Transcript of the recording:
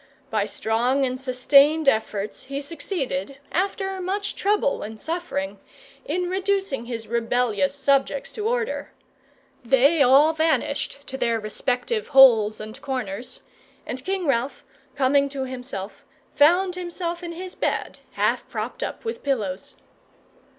By strong and sustained efforts, he succeeded, after much trouble and suffering, in reducing his rebellious subjects to order. They all vanished to their respective holes and corners; and King Ralph, coming to himself, found himself in his bed, half propped up with pillows.